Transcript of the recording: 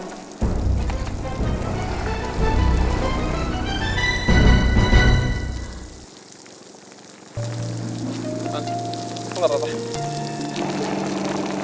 lo gak suka nyari tisu dik